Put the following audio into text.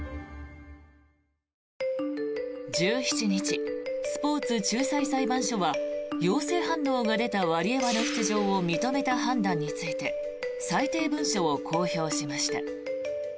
１７日、スポーツ仲裁裁判所は陽性反応が出たワリエワの出場を認めた判断について裁定文書を公表しました。